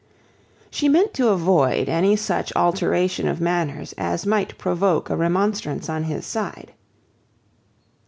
She meant to avoid any such alteration of manners as might provoke a remonstrance on his side.